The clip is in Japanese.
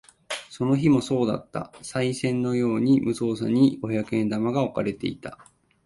その日もそうだった。賽銭のように無造作に五百円玉が置かれていた。